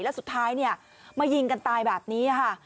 แล้วสุดท้ายมายิงกันตายแบบนี้ค่ะ